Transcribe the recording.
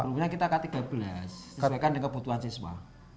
kurikulumnya kita k tiga belas sesuaikan kebutuhan siswa